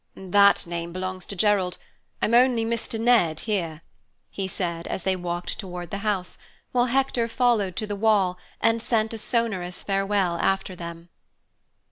"That name belongs to Gerald. I'm only Mr. Ned here," he said as they walked toward the house, while Hector followed to the wall and sent a sonorous farewell after them.